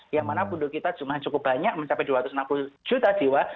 yang mana penduduk kita cuma cukup banyak mencapai dua ratus enam puluh juta jiwa